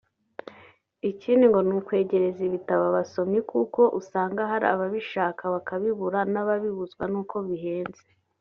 Ikindi ngo ni ukwegereza ibitabo abasomyi kuko usanga hari ababishaka bakabibura n’ababibuzwa n’uko bihenze